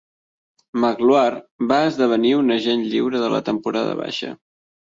Magloire va esdevenir un agent lliure de la temporada baixa.